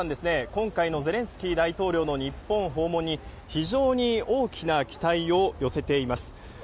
今回のゼレンスキー大統領の日本訪問に非常に大きな期待を寄せています。